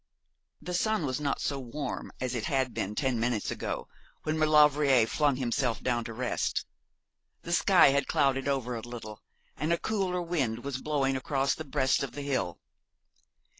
The sun was not so warm as it had been ten minutes ago, when Maulevrier flung himself down to rest. The sky had clouded over a little, and a cooler wind was blowing across the breast of the hill.